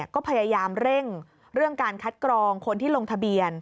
ก็พยายามเร่งเรื่องการคัดกรองคนที่ลงทะเบียน